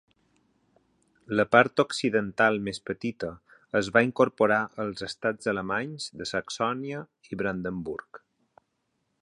La part occidental més petita es va incorporar als estats alemanys de Saxònia i Brandenburg.